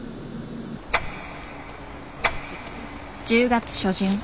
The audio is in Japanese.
１０月初旬。